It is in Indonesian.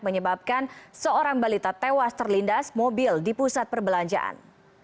menyebabkan seorang balita tewas terlindas mobil di pusat perbelanjaan